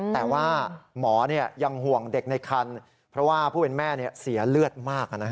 แต่ว่าหมอยังห่วงเด็กในคันเพราะว่าผู้เป็นแม่เสียเลือดมาก